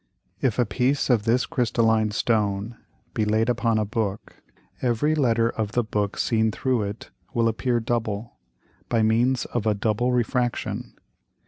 If a piece of this crystalline Stone be laid upon a Book, every Letter of the Book seen through it will appear double, by means of a double Refraction.